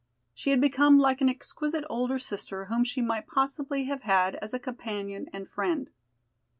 She had become like an exquisite older sister whom she might possibly have had as a companion and friend.